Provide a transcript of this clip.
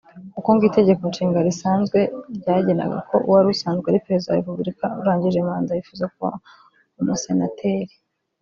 kuko ngo Itegeko Nshinga risanzwe ryagenaga ko uwari usanzwe ari Perezida wa Repubulika urangije manda wifuza kuba umusenateri